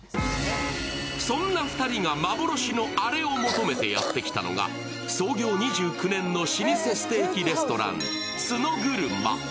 そんな２人が幻のあれを求めてやって来たのが創業２９年の老舗ステーキレストラン角車。